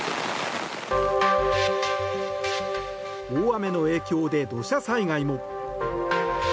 大雨の影響で土砂災害も。